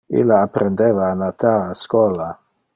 Ille apprendeva a natar a schola.